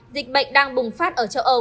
dịch bệnh đang bùng phát ở châu âu